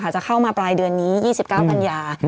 จะเข้ามาปลายเดือนนี้๒๙กันยา